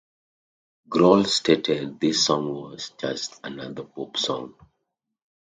Grohl stated this song was, Just another pop song.